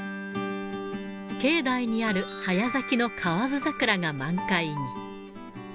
境内にある早咲きの河津桜が満開に。